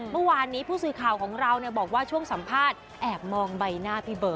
เมื่อวานนี้ผู้สื่อข่าวของเราบอกว่าช่วงสัมภาษณ์